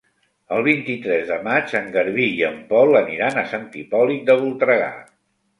El vint-i-tres de maig en Garbí i en Pol aniran a Sant Hipòlit de Voltregà.